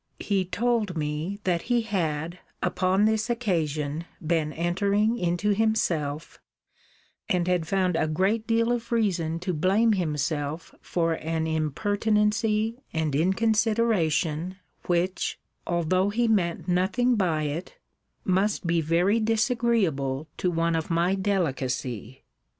He told me, that he had, upon this occasion, been entering into himself, and had found a great deal of reason to blame himself for an impertinency and inconsideration which, although he meant nothing by it, must be very disagreeable to one of my delicacy.